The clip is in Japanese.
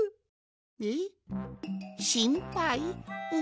えっしんぱい？